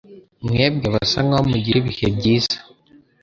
Mwebwe basa nkaho mugira ibihe byiza.